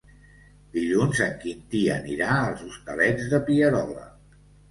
Dilluns en Quintí anirà als Hostalets de Pierola.